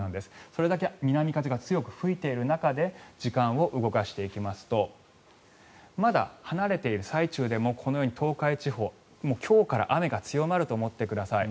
それだけ南風が強く吹いている中で時間を動かしていきますとまだ離れている最中でもこのように東海地方今日から雨が強まると思ってください。